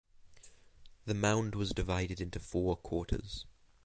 The mound was divided into four quarters.